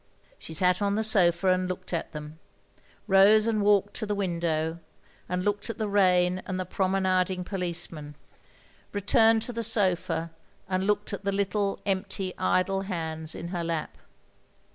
She sat on the sofa and looked at them; rose and walked to the window and looked at the rain and the promenading policeman ; returned to the 4 THE LONELY LADY sofa and looked at the little empty idle hands in her lap.